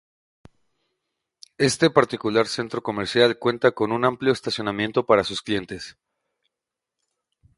Este particular centro comercial cuenta con un amplio estacionamiento para sus clientes.